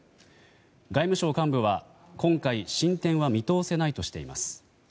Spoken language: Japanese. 外務省幹部は、今回進展は見通せないとしています。